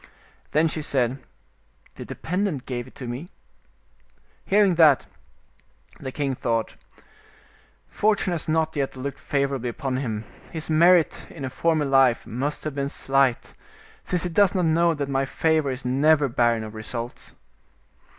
Then she said, " The dependent gave it me." Hearing that, the loo The Cunning Crone king thought, " Fortune has not yet looked favorably upon him ; his merit in a former life must have been slight, since he does not know that my favor is never barren of results."